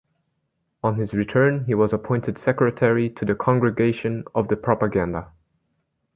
On his return he was appointed secretary to the Congregation of the Propaganda.